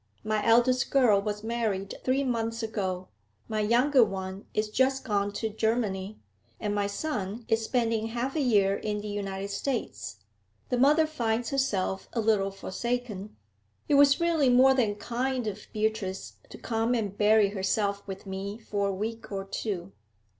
My eldest girl was married three months ago, my younger one is just gone to Germany, and my son is spending half a year in the United States; the mother finds herself a little forsaken. It was really more than kind of Beatrice to come and bury herself with me for a week or two.'